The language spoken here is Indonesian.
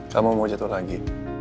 kamu mau jatuh lagi